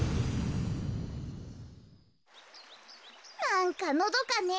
なんかのどかね。